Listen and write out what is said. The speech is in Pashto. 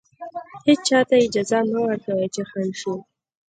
هېچا ته اجازه مه ورکوئ چې خنډ شي.